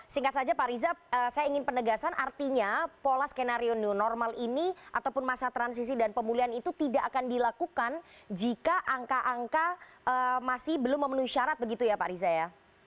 singkat saja pak riza saya ingin penegasan artinya pola skenario new normal ini ataupun masa transisi dan pemulihan itu tidak akan dilakukan jika angka angka masih belum memenuhi syarat begitu ya pak riza ya